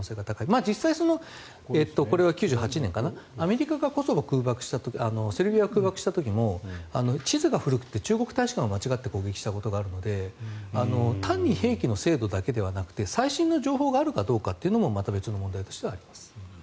実際にこれは１９９８年かなアメリカがセルビアを空爆した時も地図が古くて、中国大使館を間違って攻撃したことがあるので単に兵器の精度だけではなくて最新の情報があるかどうかという別の問題もあります。